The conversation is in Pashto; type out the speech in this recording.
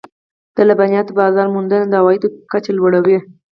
د لبنیاتو بازار موندنه د عوایدو کچه لوړوي.